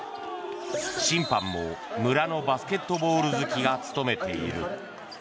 審判も村のバスケットボール好きが務めている。